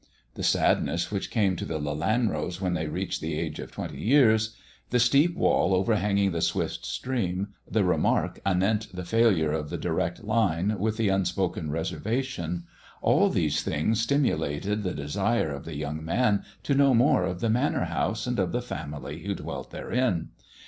The sadness which came to the Lelanros when they reached the age of twenty years ; the steep wall overhanging the swift stream ; the remark anent the failure of the direct line with the unspoken reservation ; all these things stimulated the desire of the young man to know more of the Manor House, and of the family who dwelt therein.